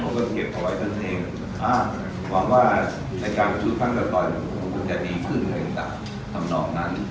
ผมก็เก็บไว้กันเองหวังว่าในการชูทางกระต่อนผมก็จะดีขึ้นเลยจากตำรวจนั้น